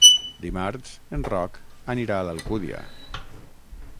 Dimarts en Roc anirà a l'Alcúdia.